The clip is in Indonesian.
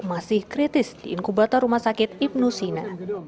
masih kritis di inkubator rumah sakit ibnu sina